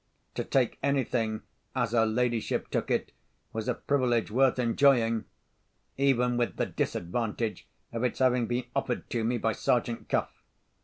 To take anything as her ladyship took it was a privilege worth enjoying—even with the disadvantage of its having been offered to me by Sergeant Cuff.